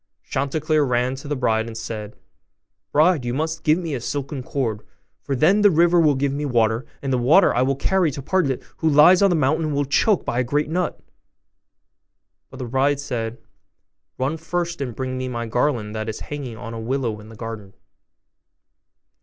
Chanticleer ran to the bride, and said, 'Bride, you must give me a silken cord, for then the river will give me water, and the water I will carry to Partlet, who lies on the mountain, and will be choked by a great nut.' But the bride said, 'Run first, and bring me my garland that is hanging on a willow in the garden.